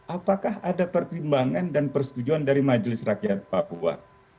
apakah ada pertimbangan dan persetujuan dari majelis rakyat papua